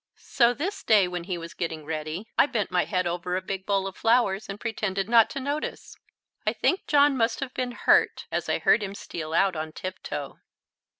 So this day when he was getting ready I bent my head over a big bowl of flowers and pretended not to notice. I think John must have been hurt, as I heard him steal out on tiptoe.